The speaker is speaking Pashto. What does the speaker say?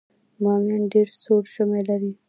بامیان ډیر سوړ ژمی لري